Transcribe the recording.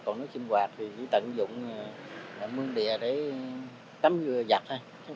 còn nước sinh quạt thì chỉ tận dụng mương địa để tắm vừa giặt thôi